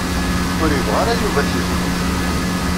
Ur yebɣi ara Yuba ad t-yexdem.